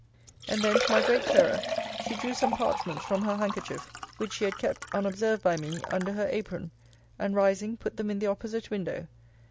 And then, to my great terror, she drew some parchments form her handkerchief, which she had kept, (unobserved by me,) under her apron; and rising, put them in the opposite window.